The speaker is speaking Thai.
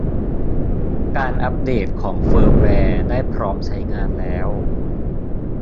การอัพเดตของเฟิร์มแวร์ได้พร้อมใช้งานแล้ว